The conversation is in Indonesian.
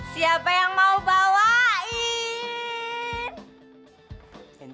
siapa yang mau bawain